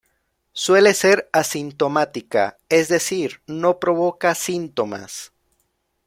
Suele ser asintomática, es decir no provoca síntomas.